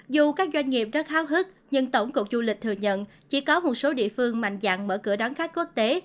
dù các doanh nghiệp rất háo hức nhưng tổng cục du lịch thừa nhận chỉ có một số địa phương mạnh dạng mở cửa đón khách quốc tế